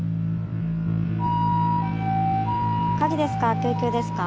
火事ですか？